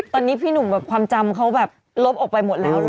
ตอนนี้พี่หนุ่มแบบความจำเขาแบบลบออกไปหมดแล้ว